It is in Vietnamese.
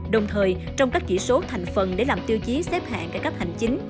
đồng thời trong các chỉ số thành phần để làm tiêu chí xếp hạng cải cách hành chính